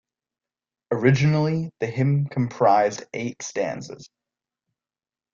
Originally the hymn comprised eight stanzas.